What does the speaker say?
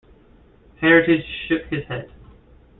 Heritage shook his head.